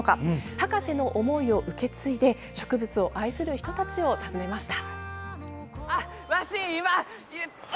博士の思いを受け継いで植物を愛する人たちを訪ねました。